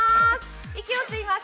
息を吸います。